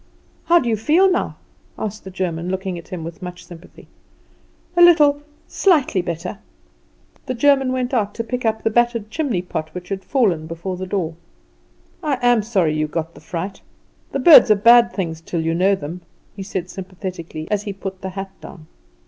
"How do you feel now?" asked the German, looking at him with much sympathy. "A little, slightly, better." The German went out to pick up the battered chimneypot which had fallen before the door. "I am sorry you got the fright. The birds are bad things till you know them," he said sympathetically, as he put the hat down.